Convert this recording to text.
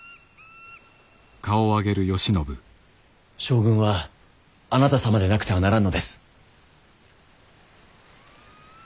将軍はあなた様でなくてはならぬのです。